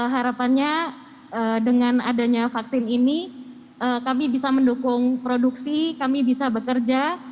harapannya dengan adanya vaksin ini kami bisa mendukung produksi kami bisa bekerja